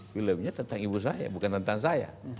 filmnya tentang ibu saya bukan tentang saya